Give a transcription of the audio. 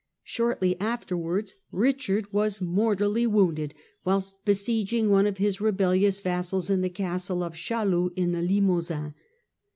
Shortly afterwards Richard was Death of mortally wounded whilst besieging one of his rebellious 1X99 " vassals in the castle of Chains in the Limousin.